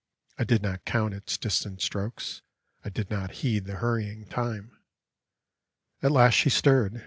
I did not count its distant strokes, I did not heed the hurrying time. At last she stirred.